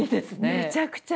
めちゃくちゃいい！